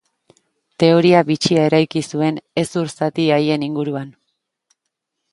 Teoria bitxia eraiki zuen hezur zati haien inguruan.